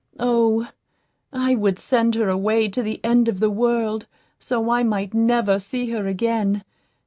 "O, I would send her away to the end of the world, so I might never see her again.